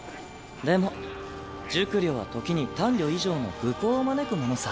でも熟慮は時に短慮以上の愚行を招くものさ。